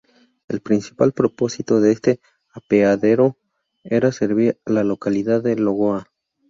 El principal propósito de este apeadero era servir la localidad de Lagoa.